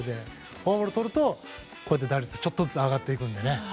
フォアボールをとると打率もちょっとずつ上がっていくので。